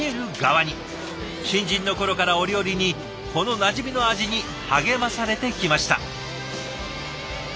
新人の頃から折々にこのなじみの味に励まされてきました。